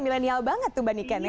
milenial banget tuh mbak niken ya